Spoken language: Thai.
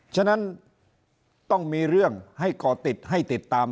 ฉะนั้นต้องมีเรื่องให้ก่อติดให้ติดตาม